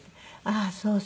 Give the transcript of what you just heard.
「ああそう。